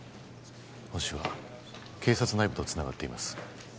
ホシは警察内部とつながっています